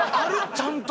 ちゃんと。